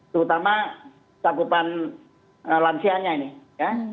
terutama cakupan lansianya ini ya